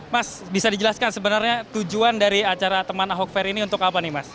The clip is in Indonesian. mas bisa dijelaskan sebenarnya tujuan dari acara teman ahok fair ini untuk apa nih mas